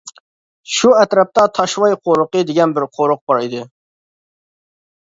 شۇ ئەتراپتا «تاشۋاي قورۇقى» دېگەن بىر قورۇق بار ئىدى.